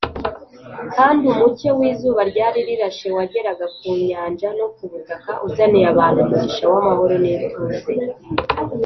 kandi umucyo w’izuba ryari rirashe wageraga ku nyanja no ku butaka uzaniye abantu umugisha w’amahoro n’ituze